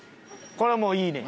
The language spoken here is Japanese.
これもういいね。